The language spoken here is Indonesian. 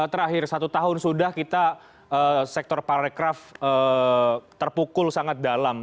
terakhir satu tahun sudah kita sektor parekraf terpukul sangat dalam